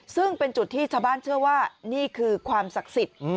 ซึ่งเป็นจุดที่ชาวบ้านเชื่อว่านี่คือความศักดิ์สิทธิ์